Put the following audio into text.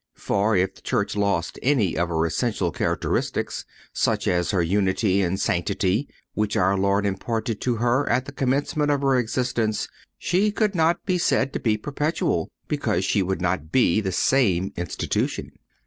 For, if the Church lost any of her essential characteristics, such as her unity and sanctity, which our Lord imparted to her at the commencement of her existence, she could not be said to be perpetual because she would not be the same Institution.